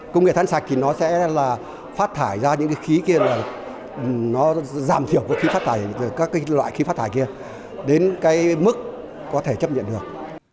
công nghệ than sạch thì nó sẽ là phát thải ra những cái khí kia là nó giảm thiểu khí phát thải từ các loại khí phát thải kia đến cái mức có thể chấp nhận được